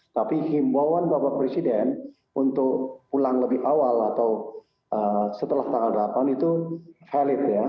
tapi himbauan bapak presiden untuk pulang lebih awal atau setelah tanggal delapan itu valid ya